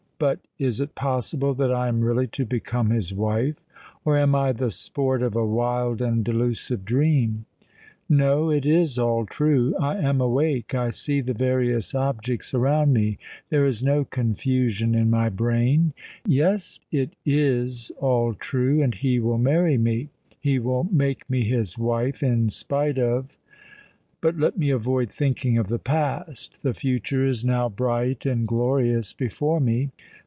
But is it possible that I am really to become his wife? or am I the sport of a wild and delusive dream? No—it is all true: I am awake—I see the various objects around me—there is no confusion in my brain. Yes—it is all true; and he will marry me—he will make me his wife—in spite of——But let me avoid thinking of the past! The future is now bright and glorious before me.